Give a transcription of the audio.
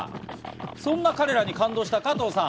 そんな彼らに感動した加藤さん。